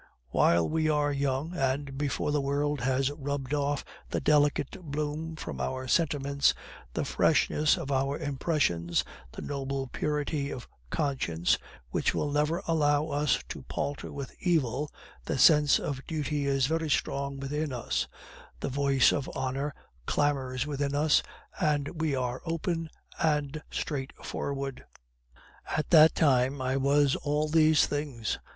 "While we are young, and before the world has rubbed off the delicate bloom from our sentiments, the freshness of our impressions, the noble purity of conscience which will never allow us to palter with evil, the sense of duty is very strong within us, the voice of honor clamors within us, and we are open and straightforward. At that time I was all these things.